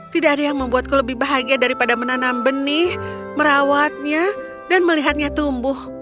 tidak ada yang membuatku lebih bahagia daripada menanam benih merawatnya dan melihatnya tumbuh